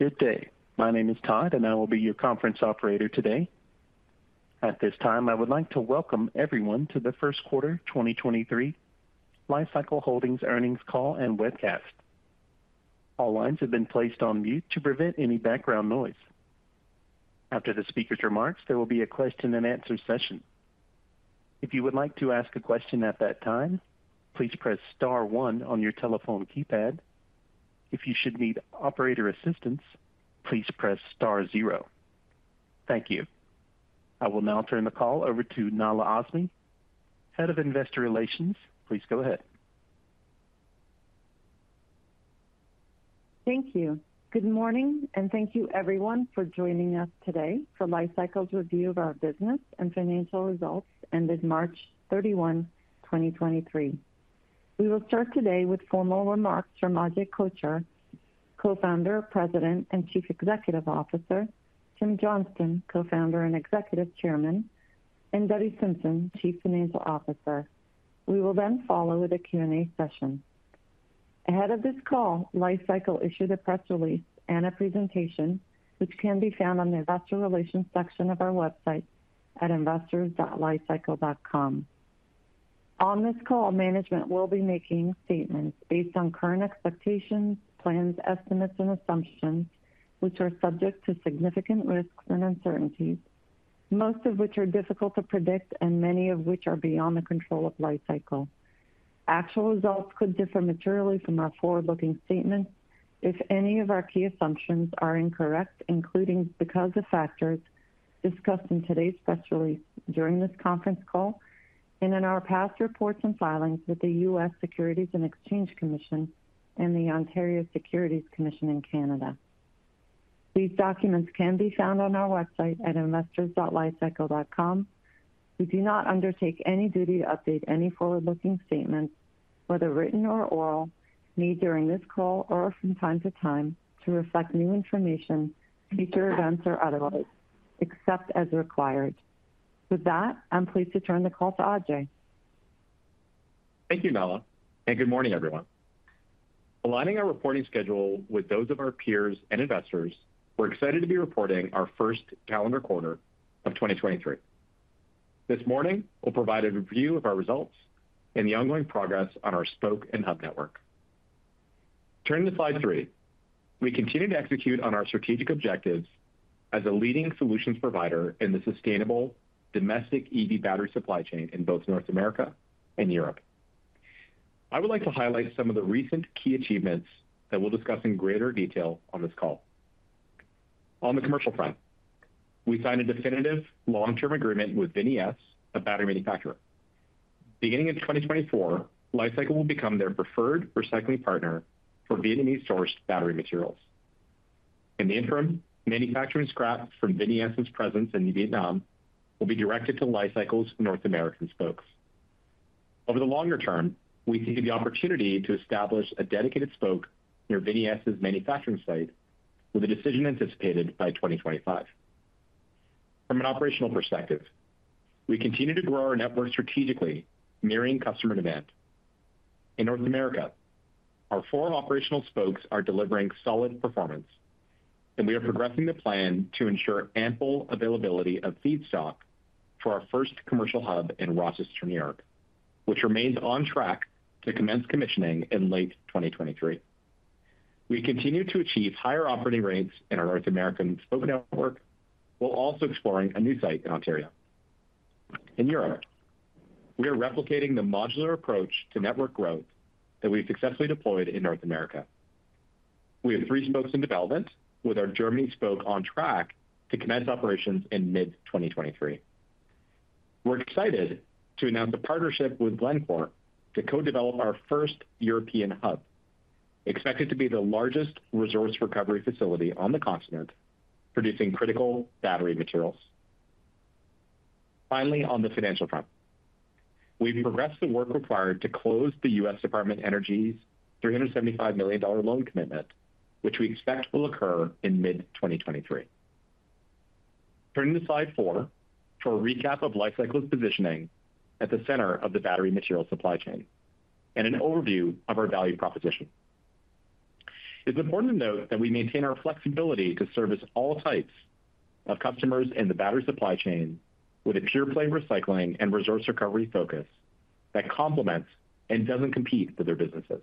Good day. My name is Todd. I will be your conference operator today. At this time, I would like to welcome everyone to the Q1 2023 Li-Cycle Holdings Earnings Call and Webcast. All lines have been placed on mute to prevent any background noise. After the speaker's remarks, there will be a question and answer session. If you would like to ask a question at that time, please press star one on your telephone keypad. If you should need operator assistance, please press star zero. Thank you. I will now turn the call over to Nahla Azmy, Head of Investor Relations. Please go ahead. Thank you. Good morning, thank you everyone for joining us today for Li-Cycle's review of our business and financial results ended March 31, 2023. We will start today with formal remarks from Ajay Kochhar, Co-founder, President, and Chief Executive Officer, Tim Johnston, Co-founder and Executive Chairman, and Debbie Simpson, Chief Financial Officer. We will then follow with a Q&A session. Ahead of this call, Li-Cycle issued a press release and a presentation which can be found on the investor relations section of our website at investors.licycle.com. On this call, management will be making statements based on current expectations, plans, estimates and assumptions, which are subject to significant risks and uncertainties, most of which are difficult to predict and many of which are beyond the control of Li-Cycle. Actual results could differ materially from our forward-looking statements if any of our key assumptions are incorrect, including because of factors discussed in today's press release during this conference call and in our past reports and filings with the U.S. Securities and Exchange Commission and the Ontario Securities Commission in Canada. These documents can be found on our website at investors.licycle.com. We do not undertake any duty to update any forward-looking statements, whether written or oral, made during this call or from time to time to reflect new information, future events or otherwise, except as required. With that, I'm pleased to turn the call to Ajay. Thank you, Nahla, and good morning, everyone. Aligning our reporting schedule with those of our peers and investors, we're excited to be reporting our first calendar quarter of 2023. This morning, we'll provide a review of our results and the ongoing progress on our Spoke & Hub network. Turning to slide three, we continue to execute on our strategic objectives as a leading solutions provider in the sustainable domestic EV battery supply chain in both North America and Europe. I would like to highlight some of the recent key achievements that we'll discuss in greater detail on this call. On the commercial front, we signed a definitive long-term agreement with VinES, a battery manufacturer. Beginning in 2024, Li-Cycle will become their preferred recycling partner for Vietnamese-sourced battery materials. In the interim, manufacturing scrap from VinES presence in Vietnam will be directed to Li-Cycle's North American Spokes. Over the longer term, we see the opportunity to establish a dedicated Spoke near VinES' manufacturing site with a decision anticipated by 2025. From an operational perspective, we continue to grow our network strategically, mirroring customer demand. In North America, our four operational Spokes are delivering solid performance, and we are progressing the plan to ensure ample availability of feedstock for our first commercial hub in Rochester, New York, which remains on track to commence commissioning in late 2023. We continue to achieve higher operating rates in our North American Spoke network while also exploring a new site in Ontario. In Europe, we are replicating the modular approach to network growth that we've successfully deployed in North America. We have three Spokes in development with our Germany Spoke on track to commence operations in mid-2023. We're excited to announce a partnership with Glencore to co-develop our first European hub, expected to be the largest resource recovery facility on the continent, producing critical battery materials. Finally, on the financial front, we've progressed the work required to close the U.S. Department of Energy's $375 million loan commitment, which we expect will occur in mid-2023. Turning to slide four for a recap of Li-Cycle's positioning at the center of the battery material supply chain and an overview of our value proposition. It's important to note that we maintain our flexibility to service all types of customers in the battery supply chain with a pure play recycling and resource recovery focus that complements and doesn't compete with their businesses.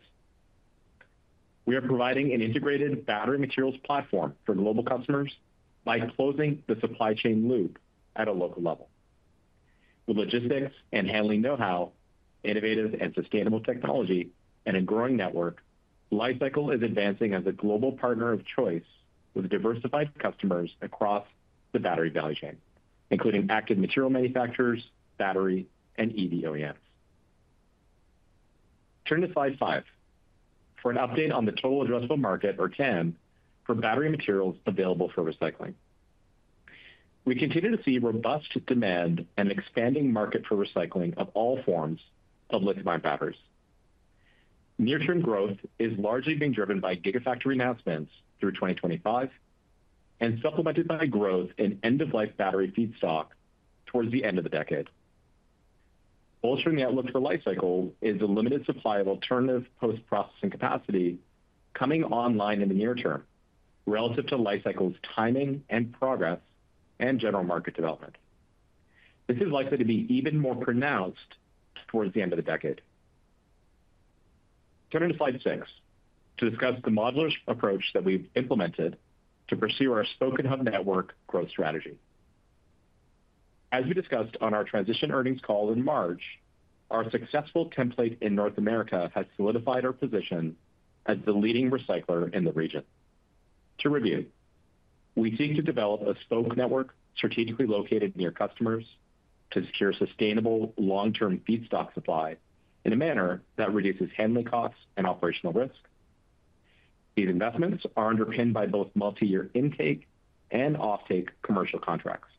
We are providing an integrated battery materials platform for global customers by closing the supply chain loop at a local level. With logistics and handling know-how, innovative and sustainable technology, and a growing network, Li-Cycle is advancing as a global partner of choice with diversified customers across the battery value chain, including active material manufacturers, battery, and EV OEMs. Turn to slide five for an update on the total addressable market or TAM for battery materials available for recycling. We continue to see robust demand and expanding market for recycling of all forms of lithium-ion batteries. Near-term growth is largely being driven by Gigafactory announcements through 2025 and supplemented by growth in end-of-life battery feedstock towards the end of the decade. Bolstering the outlook for Li-Cycle is a limited supply of alternative post-processing capacity coming online in the near term relative to Li-Cycle's timing and progress and general market development. This is likely to be even more pronounced towards the end of the decade. Turning to slide six to discuss the modular approach that we've implemented to pursue our Spoke & Hub network growth strategy. As we discussed on our transition earnings call in March, our successful template in North America has solidified our position as the leading recycler in the region. To review, we seek to develop a spoke network strategically located near customers to secure sustainable long-term feedstock supply in a manner that reduces handling costs and operational risk. These investments are underpinned by both multi-year intake and offtake commercial contracts.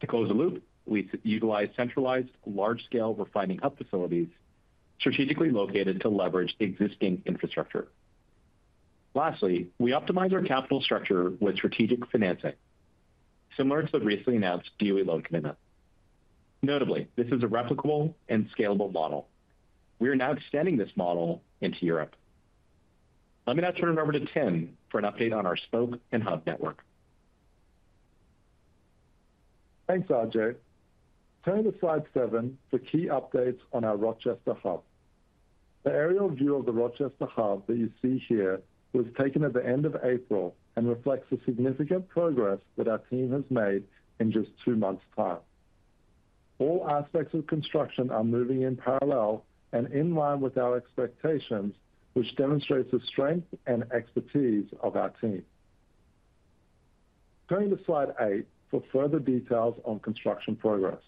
To close the loop, we utilize centralized large-scale refining hub facilities strategically located to leverage existing infrastructure. Lastly, we optimize our capital structure with strategic financing similar to the recently announced DOE loan commitment. Notably, this is a replicable and scalable model. We are now extending this model into Europe. Let me now turn it over to Tim for an update on our Hub & Spoke network. Thanks, Ajay. Turning to slide seven for key updates on our Rochester Hub. The aerial view of the Rochester Hub that you see here was taken at the end of April and reflects the significant progress that our team has made in just two months' time. All aspects of construction are moving in parallel and in line with our expectations, which demonstrates the strength and expertise of our team. Turning to slide eight for further details on construction progress.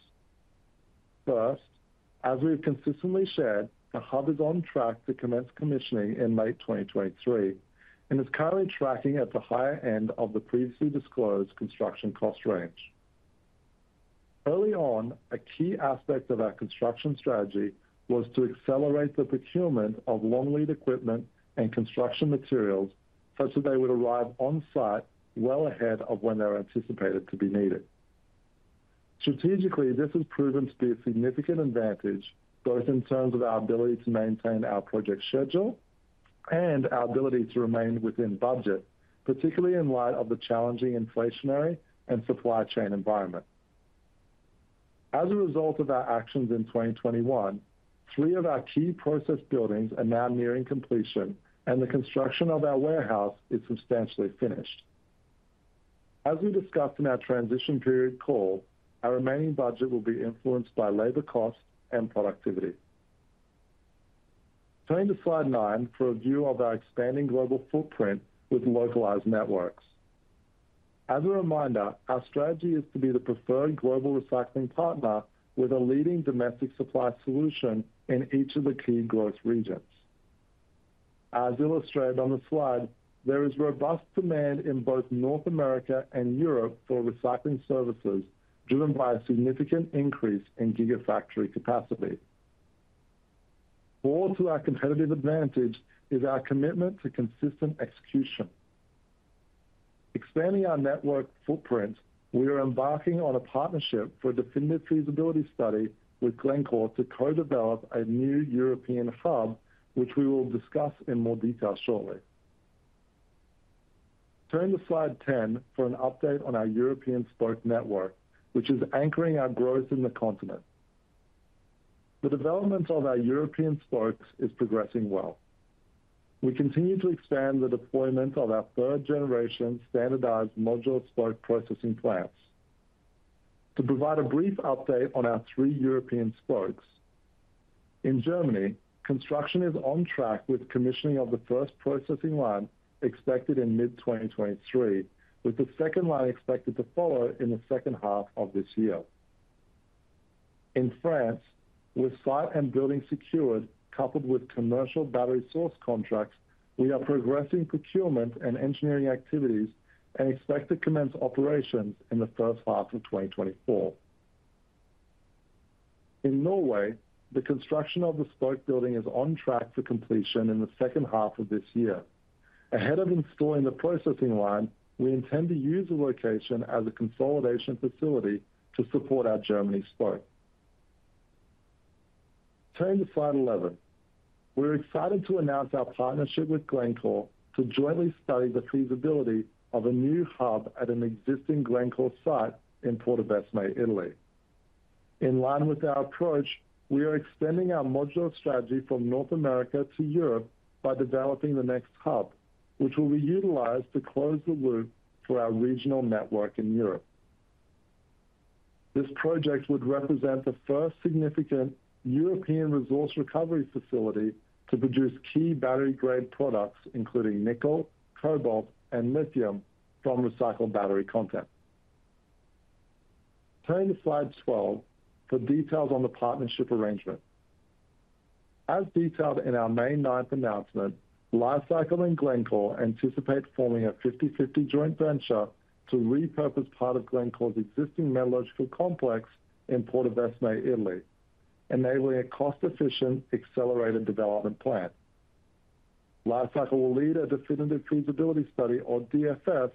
First, as we have consistently said, the Hub is on track to commence commissioning in late 2023 and is currently tracking at the higher end of the previously disclosed construction cost range. Early on, a key aspect of our construction strategy was to accelerate the procurement of long lead equipment and construction materials such that they would arrive on site well ahead of when they were anticipated to be needed. Strategically, this has proven to be a significant advantage, both in terms of our ability to maintain our project schedule and our ability to remain within budget, particularly in light of the challenging inflationary and supply chain environment. As a result of our actions in 2021, three of our key process buildings are now nearing completion, and the construction of our warehouse is substantially finished. As we discussed in our transition period call, our remaining budget will be influenced by labor costs and productivity. Turning to slide nine for a view of our expanding global footprint with localized networks. As a reminder, our strategy is to be the preferred global recycling partner with a leading domestic supply solution in each of the key growth regions. As illustrated on the slide, there is robust demand in both North America and Europe for recycling services, driven by a significant increase in Gigafactory capacity. Core to our competitive advantage is our commitment to consistent execution. Expanding our network footprint, we are embarking on a partnership for a definitive feasibility study with Glencore to co-develop a new European hub, which we will discuss in more detail shortly. Turning to slide 10 for an update on our European Spoke network, which is anchoring our growth in the continent. The development of our European Spokes is progressing well. We continue to expand the deployment of our Generation 3 standardized modular Spoke processing plants. To provide a brief update on our three European Spokes. In Germany, construction is on track with commissioning of the first processing line expected in mid 2023, with the second line expected to follow in the second half of this year. In France, with site and building secured, coupled with commercial battery source contracts, we are progressing procurement and engineering activities and expect to commence operations in the first half of 2024. In Norway, the construction of the spoke building is on track for completion in the second half of this year. Ahead of installing the processing line, we intend to use the location as a consolidation facility to support our Germany spoke. Turning to slide 11. We're excited to announce our partnership with Glencore to jointly study the feasibility of a new hub at an existing Glencore site in Portovesme, Italy. In line with our approach, we are extending our modular strategy from North America to Europe by developing the next hub, which will be utilized to close the loop for our regional network in Europe. This project would represent the first significant European resource recovery facility to produce key battery-grade products including nickel, cobalt, and lithium from recycled battery content. Turning to slide 12 for details on the partnership arrangement. As detailed in our May 9th announcement, Li-Cycle and Glencore anticipate forming a 50/50 joint venture to repurpose part of Glencore's existing metallurgical complex in Portovesme, Italy, enabling a cost-efficient accelerated development plan. Li-Cycle will lead a definitive feasibility study or DFS,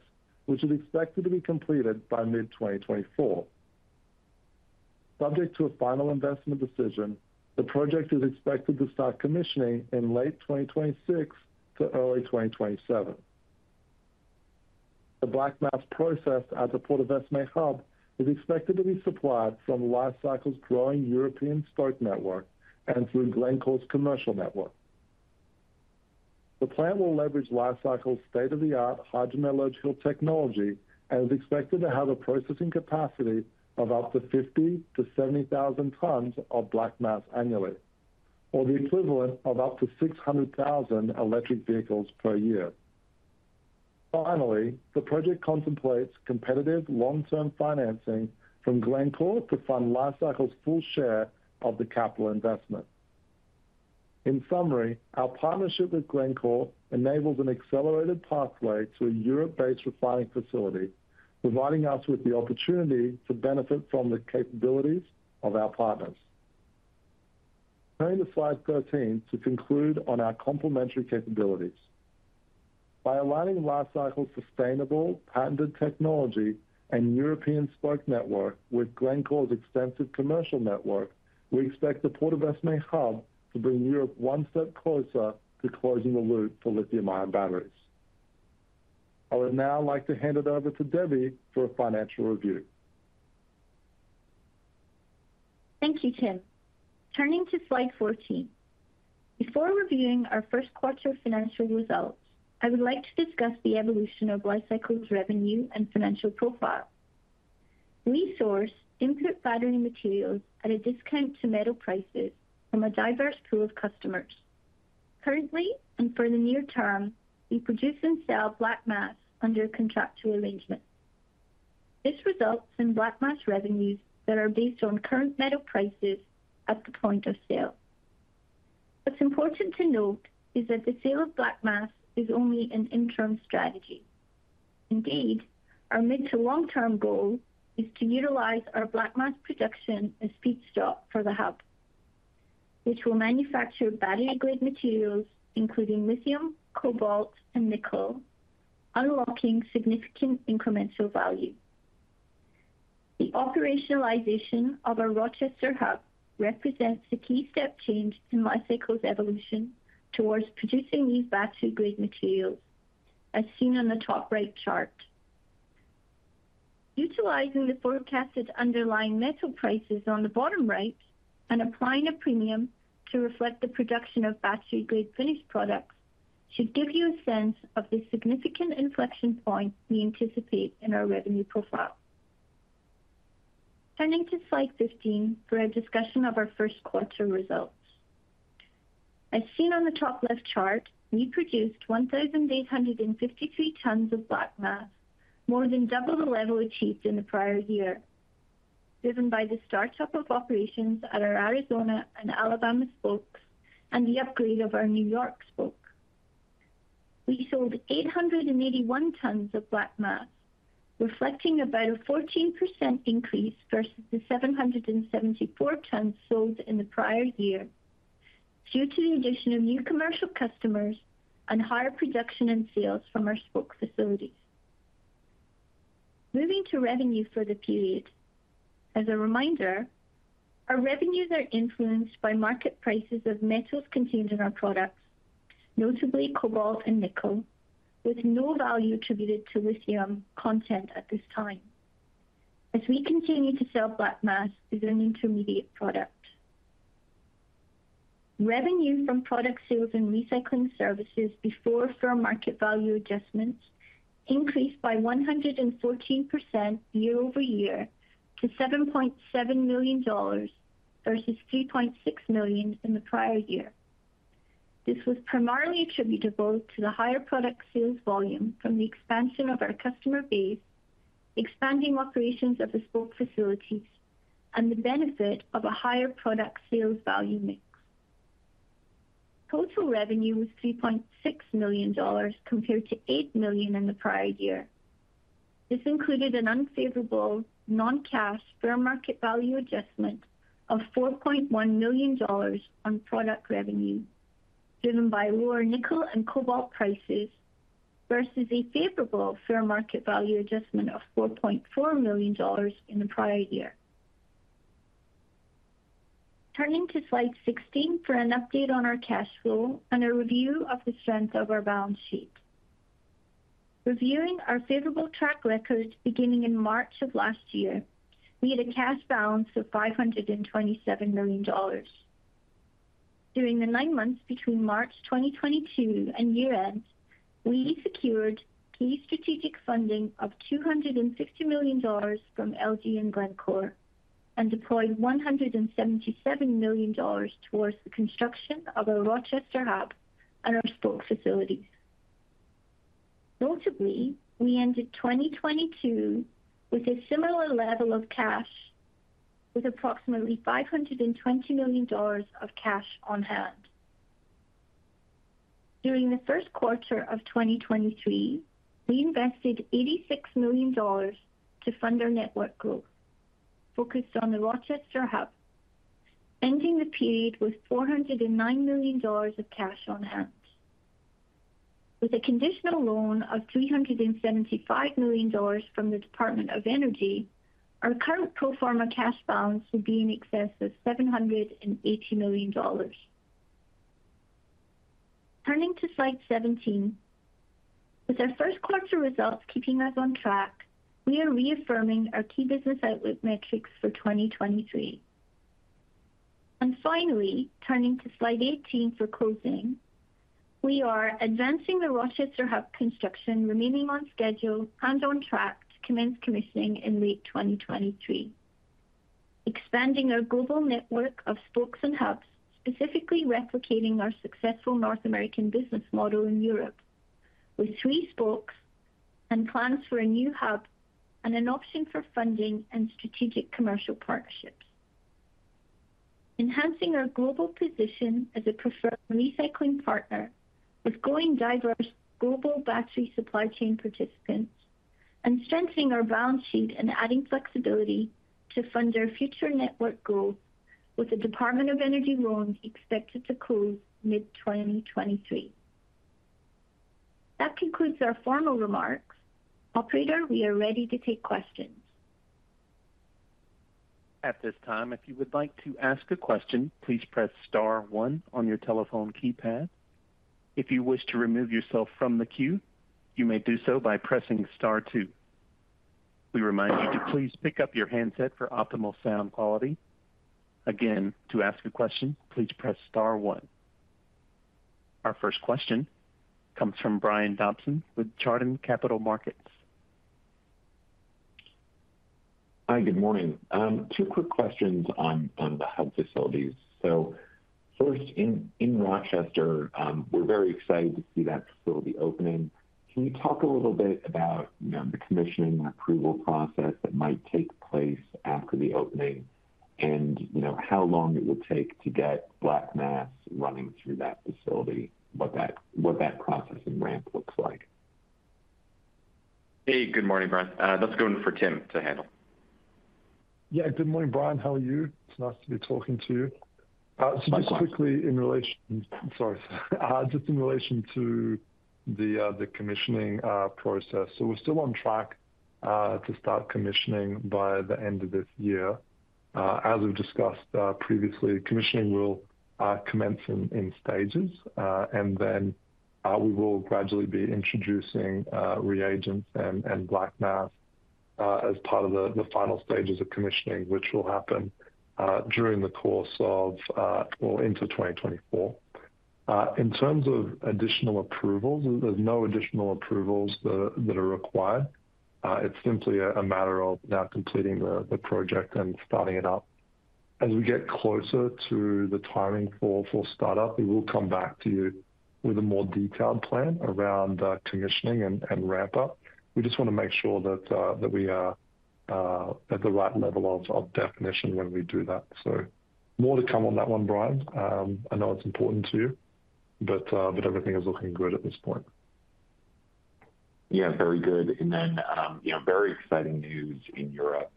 which is expected to be completed by mid-2024. Subject to a final investment decision, the project is expected to start commissioning in late 2026 to early 2027. The black mass processed at the Portovesme hub is expected to be supplied from Li-Cycle's growing European Spoke network and through Glencore's commercial network. The plant will leverage Li-Cycle's state-of-the-art hydrometallurgical technology and is expected to have a processing capacity of up to 50,000-70,000 tons of black mass annually, or the equivalent of up to 600,000 electric vehicles per year. The project contemplates competitive long-term financing from Glencore to fund Li-Cycle's full share of the capital investment. Our partnership with Glencore enables an accelerated pathway to a Europe-based refining facility, providing us with the opportunity to benefit from the capabilities of our partners. Turning to slide 13 to conclude on our complementary capabilities. By aligning Li-Cycle's sustainable patented technology and European Spoke network with Glencore's extensive commercial network, we expect the Portovesme hub to bring Europe one step closer to closing the loop for lithium-ion batteries. I would now like to hand it over to Debbie for a financial review. Thank you, Tim. Turning to slide 14. Before reviewing our Q1 financial results, I would like to discuss the evolution of Li-Cycle's revenue and financial profile. We source input battery materials at a discount to metal prices from a diverse pool of customers. Currently, and for the near term, we produce and sell black mass under contractual arrangements. This results in black mass revenues that are based on current metal prices at the point of sale. What's important to note is that the sale of black mass is only an interim strategy. Indeed, our mid to long-term goal is to utilize our black mass production as feedstock for the hub, which will manufacture battery-grade materials, including lithium, cobalt, and nickel, unlocking significant incremental value. The operationalization of our Rochester hub represents the key step change in Li-Cycle's evolution towards producing these battery-grade materials, as seen on the top right chart. Utilizing the forecasted underlying metal prices on the bottom right and applying a premium to reflect the production of battery-grade finished products should give you a sense of the significant inflection point we anticipate in our revenue profile. Turning to slide 15 for a discussion of our Q1 results. As seen on the top left chart, we produced 1,853 tons of black mass, more than double the level achieved in the prior year, driven by the startup of operations at our Arizona and Alabama Spokes and the upgrade of our New York Spoke. We sold 881 tons of black mass, reflecting about a 14% increase versus the 774 tons sold in the prior year, due to the addition of new commercial customers and higher production and sales from our Spoke facilities. Moving to revenue for the period. As a reminder, our revenues are influenced by market prices of metals contained in our products, notably cobalt and nickel, with no value attributed to lithium content at this time, as we continue to sell black mass as an intermediate product. Revenue from product sales and recycling services before fair market value adjustments increased by 114% YoY to $7.7 million versus $3.6 million in the prior year. This was primarily attributable to the higher product sales volume from the expansion of our customer base, expanding operations of the Spoke facilities, and the benefit of a higher product sales value mix. Total revenue was $3.6 million compared to $8 million in the prior year. This included an unfavorable non-cash fair market value adjustment of $4.1 million on product revenue, driven by lower nickel and cobalt prices, versus a favorable fair market value adjustment of $4.4 million in the prior year. Turning to slide 16 for an update on our cash flow and a review of the strength of our balance sheet. Reviewing our favorable track record beginning in March of last year, we had a cash balance of $527 million. During the nine months between March 2022 and year-end, we secured key strategic funding of $260 million from LG and Glencore and deployed $177 million towards the construction of our Rochester hub and our Spoke facilities. Notably, we ended 2022 with a similar level of cash, with approximately $520 million of cash on hand. During the Q1 of 2023, we invested $86 million to fund our network growth, focused on the Rochester hub. Ending the period with $409 million of cash on hand. With a conditional loan of $375 million from the Department of Energy, our current pro forma cash balance will be in excess of $780 million. Turning to slide 17. With our Q1 results keeping us on track, we are reaffirming our key business outlook metrics for 2023. Finally, turning to slide 18 for closing. We are advancing the Rochester Hub construction, remaining on schedule and on track to commence commissioning in late 2023. Expanding our global network of Spokes and Hubs, specifically replicating our successful North American business model in Europe with three Spokes and plans for a new Hub and an option for funding and strategic commercial partnerships. Enhancing our global position as a preferred recycling partner with growing diverse global battery supply chain participants. Strengthening our balance sheet and adding flexibility to fund our future network growth with the Department of Energy loan expected to close mid-2023. That concludes our formal remarks. Operator, we are ready to take questions. At this time, if you would like to ask a question, please press star one on your telephone keypad. If you wish to remove yourself from the queue, you may do so by pressing star two. We remind you to please pick up your handset for optimal sound quality. Again, to ask a question, please press star one. Our first question comes from Brian Dobson with Chardan Capital Markets. Hi, good morning. two quick questions on the hub facilities. first, in Rochester, we're very excited to see that facility opening. Can you talk a little bit about, you know, the commissioning and approval process that might take place after the opening and, you know, how long it would take to get black mass running through that facility? What that processing ramp looks like? Hey, good morning, Brian. That's going for Tim to handle. Yeah. Good morning, Brian. How are you? It's nice to be talking to you. Likewise. Sorry. Just in relation to the commissioning process. We're still on track to start commissioning by the end of this year. As we've discussed previously, commissioning will commence in stages, we will gradually be introducing reagents and black mass as part of the final stages of commissioning, which will happen during the course of or into 2024. In terms of additional approvals, there's no additional approvals that are required. It's simply a matter of now completing the project and starting it up. As we get closer to the timing for startup, we will come back to you with a more detailed plan around commissioning and ramp up. We just want to make sure that we are at the right level of definition when we do that. More to come on that one, Brian. I know it's important to you, but everything is looking good at this point. Yeah, very good. You know, very exciting news in Europe,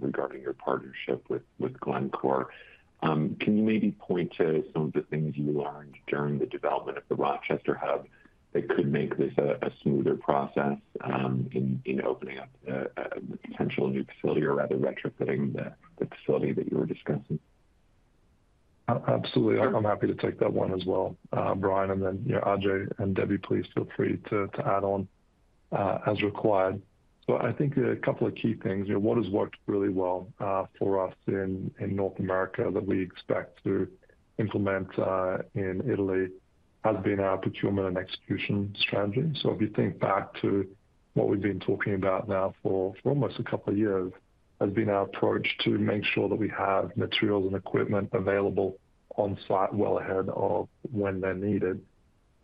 regarding your partnership with Glencore. Can you maybe point to some of the things you learned during the development of the Rochester hub that could make this a smoother process, in opening up a potential new facility or rather retrofitting the facility that you were discussing? Absolutely. I'm happy to take that one as well, Brian, and then, you know, Ajay and Debbie, please feel free to add on as required. I think a couple of key things. You know, what has worked really well for us in North America that we expect to implement in Italy has been our procurement and execution strategy. If you think back to what we've been talking about now for almost a couple of years, has been our approach to make sure that we have materials and equipment available on-site well ahead of when they're needed.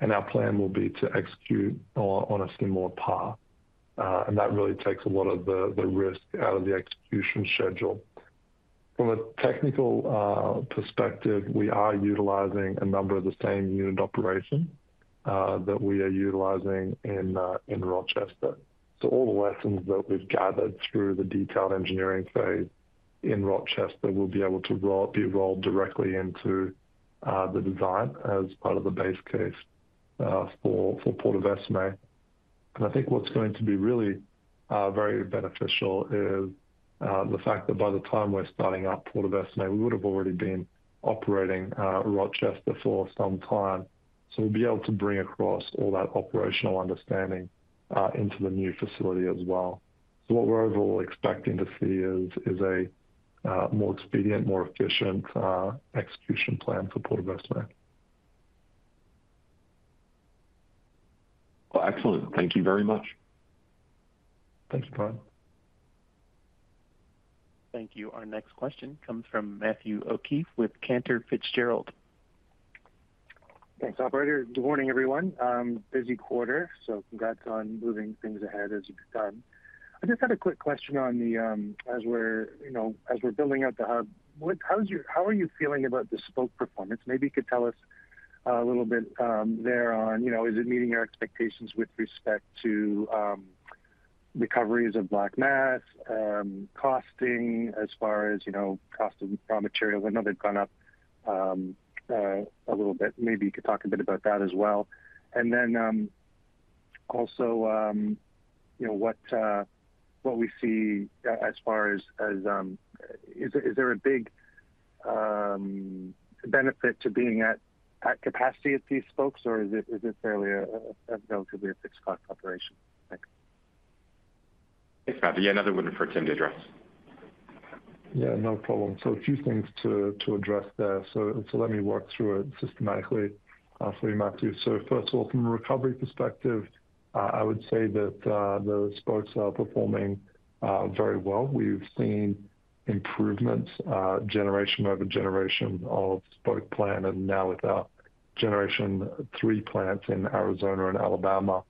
Our plan will be to execute on a similar path. That really takes a lot of the risk out of the execution schedule. From a technical perspective, we are utilizing a number of the same unit operation that we are utilizing in Rochester. All the lessons that we've gathered through the detailed engineering phase in Rochester will be able to be rolled directly into the design as part of the base case for Portovesme. I think what's going to be really very beneficial is the fact that by the time we're starting up Portovesme, we would have already been operating Rochester for some time. We'll be able to bring across all that operational understanding into the new facility as well. What we're overall expecting to see is a more expedient, more efficient execution plan for Portovesme. Well, excellent. Thank you very much. Thanks, Brian. Thank you. Our next question comes from Matthew O'Keefe with Cantor Fitzgerald. Thanks, operator. Good morning, everyone. Busy quarter, congrats on moving things ahead as you've done. I just had a quick question on the, as we're, you know, as we're building out the hub, how are you feeling about the spoke performance? Maybe you could tell us a little bit there on, you know, is it meeting your expectations with respect to? Recoveries of black mass, costing as far as, you know, cost of raw materials. I know they've gone up a little bit. Maybe you could talk a bit about that as well. Also, you know, what we see as far as, is there a big benefit to being at capacity at these Spokes or is it fairly a relatively a fixed cost operation? Thanks. Thanks, Matthew. Another one for Tim to address. Yeah, no problem. A few things to address there. Let me work through it systematically for you, Matthew. First of all, from a recovery perspective, I would say that the Spokes are performing very well. We've seen improvements, generation over generation of Spoke plant and now with our Generation 3 plants in Arizona and Alabama,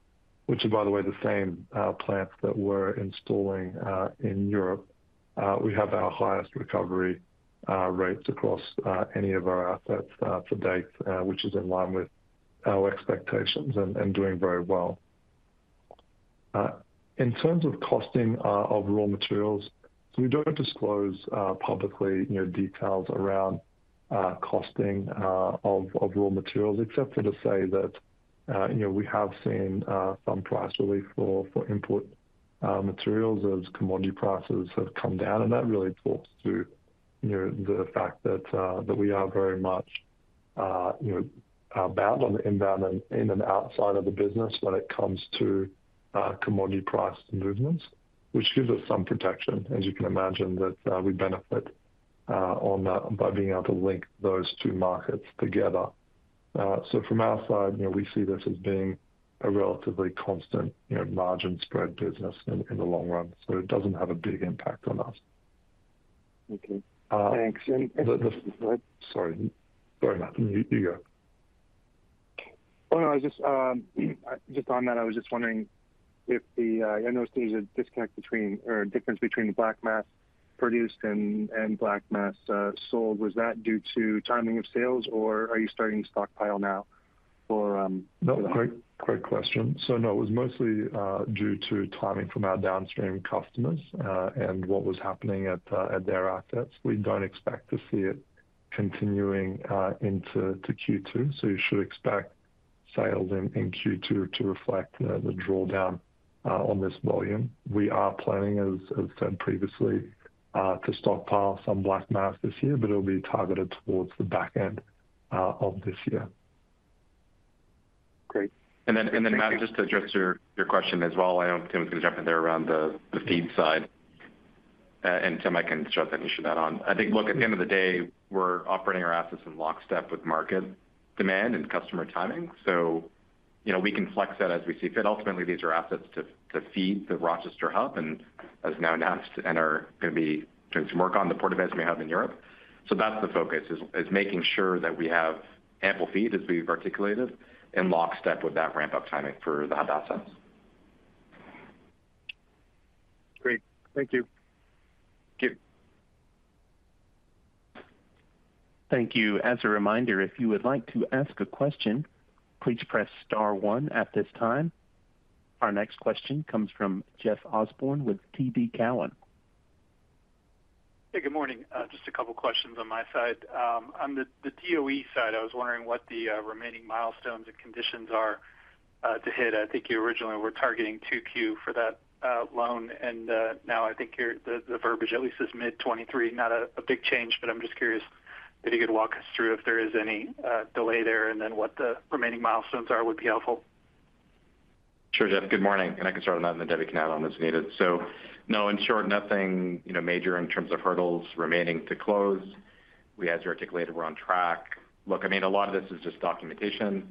which are, by the way, the same plants that we're installing in Europe. We have our highest recovery rates across any of our assets to date, which is in line with our expectations and doing very well. In terms of costing of raw materials, we don't disclose publicly, you know, details around costing of raw materials, except for to say that, you know, we have seen some price relief for input materials as commodity prices have come down. That really talks to, you know, the fact that we are very much, you know, bound on the inbound and in and outside of the business when it comes to commodity price movements, which gives us some protection, as you can imagine, that we benefit on that by being able to link those two markets together. From our side, you know, we see this as being a relatively constant, you know, margin spread business in the long run, so it doesn't have a big impact on us. Okay. Thanks. Sorry. Sorry, Matthew, you go. Oh, no. I was just on that, I was just wondering if the, I noticed there's a disconnect between or a difference between the black mass produced and black mass sold. Was that due to timing of sales or are you starting to stockpile now for? No, great question. No, it was mostly due to timing from our downstream customers and what was happening at their assets. We don't expect to see it continuing into Q2. You should expect sales in Q2 to reflect the drawdown on this volume. We are planning, as said previously, to stockpile some black mass this year, but it'll be targeted towards the back end of this year. Great. Matt, just to address your question as well. I know Tim's gonna jump in there around the feed side. Tim, I can start that and you should add on. I think, look, at the end of the day, we're operating our assets in lockstep with market demand and customer timing. You know, we can flex that as we see fit. Ultimately, these are assets to feed the Rochester Hub and as now announced and are gonna be doing some work on the Portovesme we have in Europe. That's the focus is making sure that we have ample feed as we've articulated in lockstep with that ramp-up timing for the Hub assets. Great. Thank you. Thank you. Thank you. As a reminder, if you would like to ask a question, please press star 1 at this time. Our next question comes from Jeff Osborne with TD Cowen. Hey, good morning. Just a couple questions on my side. On the DOE side, I was wondering what the remaining milestones and conditions are to hit. I think you originally were targeting 2Q for that loan. Now I think the verbiage at least is mid-2023. Not a big change, but I'm just curious if you could walk us through if there is any delay there and then what the remaining milestones are would be helpful. Sure, Jeff. Good morning. I can start on that and then Debbie can add on as needed. No, in short, nothing, you know, major in terms of hurdles remaining to close. We, as you articulated, we're on track. Look, I mean, a lot of this is just documentation.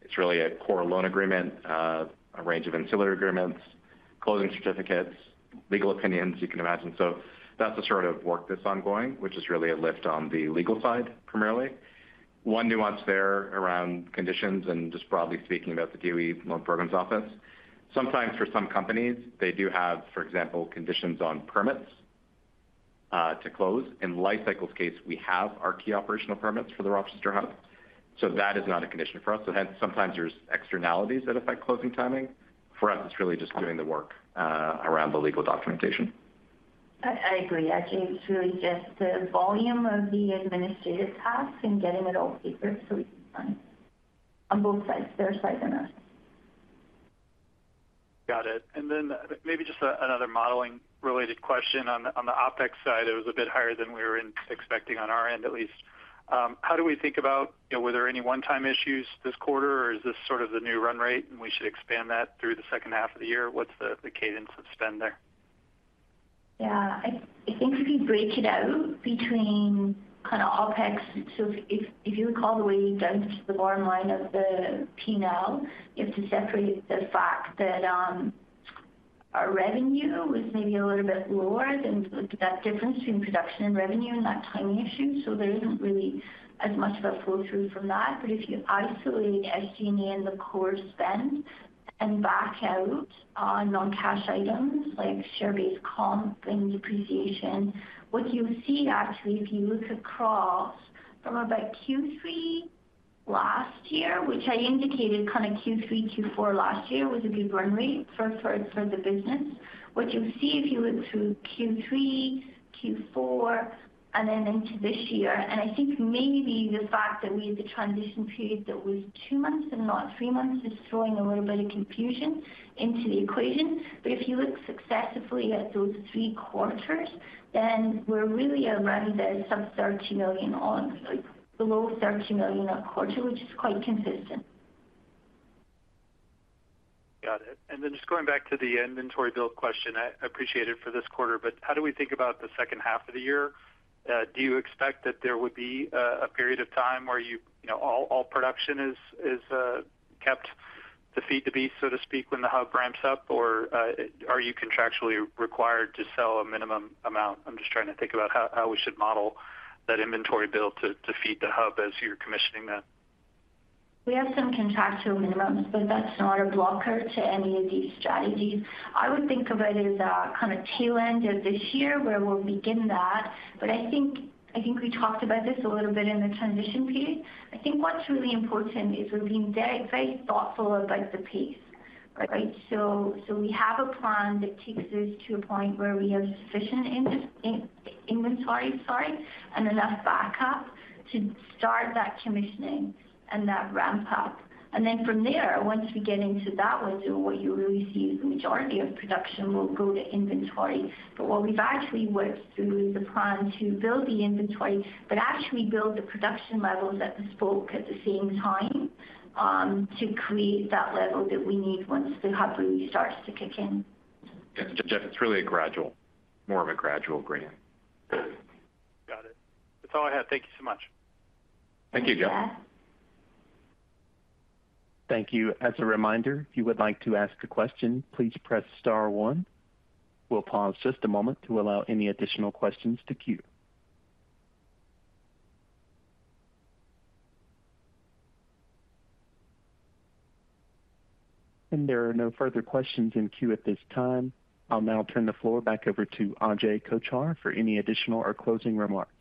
It's really a core loan agreement, a range of ancillary agreements, closing certificates, legal opinions you can imagine. That's the sort of work that's ongoing, which is really a lift on the legal side, primarily. One nuance there around conditions and just broadly speaking about the DOE Loan Programs Office. Sometimes for some companies, they do have, for example, conditions on permits to close. In Li-Cycle's case, we have our key operational permits for the Rochester hub. That is not a condition for us. Hence sometimes there's externalities that affect closing timing. For us, it's really just doing the work, around the legal documentation. I agree. I think it's really just the volume of the administrative tasks and getting it all papered so we can sign. On both sides, their side and ours. Got it. Maybe just another modeling related question. On the OpEx side, it was a bit higher than we were expecting on our end at least. How do we think about, you know, were there any one-time issues this quarter or is this sort of the new run rate and we should expand that through the second half of the year? What's the cadence of spend there? I think if you break it out between kinda OpEx. If, if you recall the way down to the bottom line of the P&L, you have to separate the fact that our revenue was maybe a little bit lower than that difference between production and revenue and that timing issue. There isn't really as much of a pull-through from that. If you isolate SG&A and the core spend and back out on non-cash items like share-based comp and depreciation, what you see actually, if you look across from about Q3 last year, which I indicated kind of Q3, Q4 last year was a good run rate for the business. What you'll see if you look through Q3, Q4 and then into this year, I think maybe the fact that we had the transition period that was two months and not three months is throwing a little bit of confusion into the equation. If you look successively at those three quarters, then we're really around the sub $30 million below $30 million a quarter, which is quite consistent. Got it. Just going back to the inventory build question. I appreciate it for this quarter, how do we think about the second half of the year? Do you expect that there would be a period of time where you know, all production is kept to feed the beast, so to speak, when the hub ramps up? Are you contractually required to sell a minimum amount? I'm just trying to think about how we should model that inventory build to feed the hub as you're commissioning that. We have some contractual minimums, that's not a blocker to any of these strategies. I would think of it as a kind of tail end of this year where we'll begin that. I think we talked about this a little bit in the transition period. I think what's really important is we're being very thoughtful about the pace, right? We have a plan that takes us to a point where we have sufficient inventory, sorry, and enough backup to start that commissioning and that ramp up. From there, once we get into that window, what you really see is the majority of production will go to inventory. What we've actually worked through the plan to build the inventory, but actually build the production levels at the Spoke at the same time, to create that level that we need once the Hub really starts to kick in. Yeah, Jeff, it's really a gradual, more of a gradual ramp. Got it. That's all I had. Thank you so much. Thank you, Jeff. Thanks, Jeff. Thank you. As a reminder, if you would like to ask a question, please press star one. We'll pause just a moment to allow any additional questions to queue. There are no further questions in queue at this time. I'll now turn the floor back over to Ajay Kochhar for any additional or closing remarks.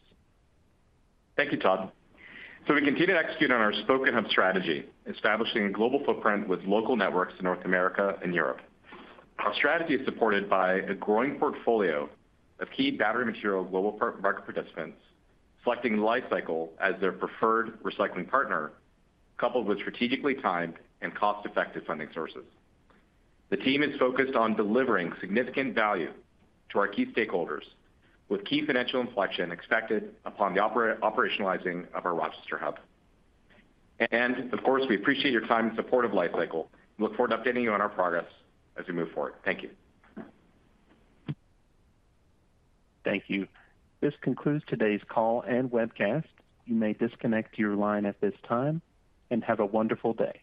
Thank you, Todd. We continue to execute on our Spoke & Hub strategy, establishing a global footprint with local networks in North America and Europe. Our strategy is supported by a growing portfolio of key battery material global market participants, selecting Li-Cycle as their preferred recycling partner, coupled with strategically timed and cost-effective funding sources. The team is focused on delivering significant value to our key stakeholders, with key financial inflection expected upon the operationalizing of our Rochester hub. Of course, we appreciate your time and support of Li-Cycle. Look forward to updating you on our progress as we move forward. Thank you. Thank you. This concludes today's call and webcast. You may disconnect your line at this time, and have a wonderful day.